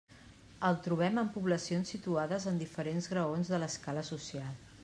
El trobem en poblacions situades en diferents graons de l'escala social.